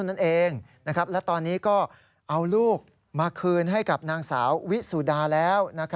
นั่นเองและตอนนี้ก็เอาลูกมาคืนให้กับนางสาววิสุดาแล้ว